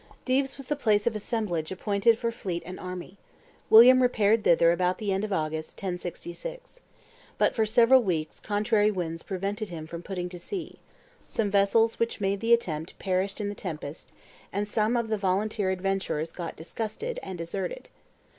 Dives was the place of assemblage appointed for fleet and army. William repaired thither about the end of August, 1066. But for several weeks contrary winds prevented him from putting to sea; some vessels which made the attempt perished in the tempest; and some of the volunteer adventurers got disgusted, and deserted.